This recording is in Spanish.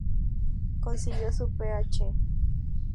Consiguió su Ph.